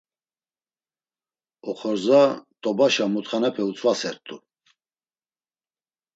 Oxorza, t̆obaşa mutxanepe utzvasert̆u.